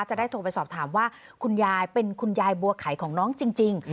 จะได้โทรไปสอบถามว่าคุณยายเป็นคุณยายบัวไข่ของน้องจริง